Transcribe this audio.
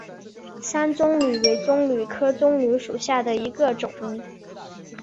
山棕榈为棕榈科棕榈属下的一个种。